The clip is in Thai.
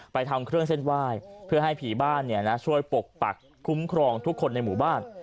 ทำเครื่องเส้นไหว้เพื่อให้ผีบ้านช่วยปกปักคุ้มครองทุกคนในหมู่บ้าน